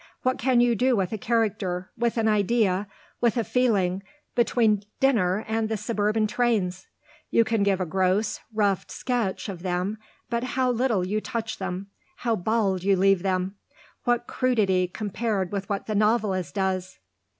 What can you do with a character, with an idea, with a feeling, between dinner and the suburban trains? You can give a gross, rough sketch of them, but how little you touch them, how bald you leave them! What crudity compared with what the novelist does!"